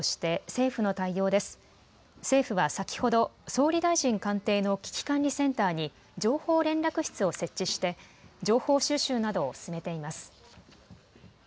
政府は先ほど、総理大臣官邸の危機管理センターに情報連絡室を設置して情報収集などを進めています。